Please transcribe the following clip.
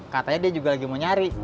katanya dia juga lagi mau nyari